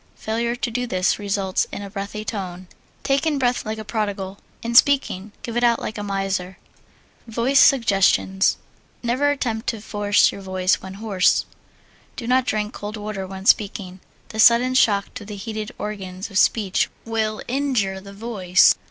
Failure to do this results in a breathy tone. Take in breath like a prodigal; in speaking, give it out like a miser. Voice Suggestions Never attempt to force your voice when hoarse. Do not drink cold water when speaking. The sudden shock to the heated organs of speech will injure the voice.